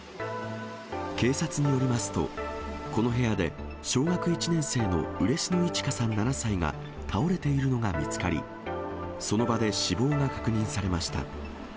警察によりますと、この部屋で、小学１年生の嬉野いち花さん７歳が倒れているのが見つかり、その場で死亡が確認されました。